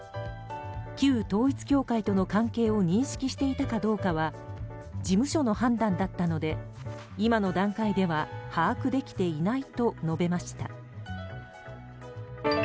旧統一教会との関係を認識していたかどうかは事務所の判断だったので今の段階では把握できていないと述べました。